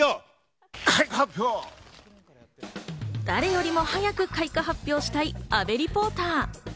誰よりも早く開花発表したい阿部リポーター。